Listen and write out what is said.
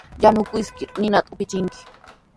Yanukiskir ninata upichinki.